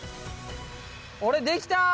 俺できた！